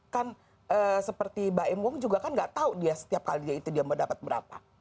kan seperti mbak emong juga kan nggak tahu dia setiap kali itu dia mau dapat berapa